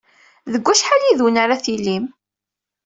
Deg wacḥal yid-wen ara tilim?